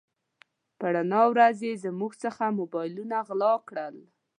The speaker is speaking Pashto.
په رڼا ورځ يې زموږ څخه موبایلونه غلا کړل.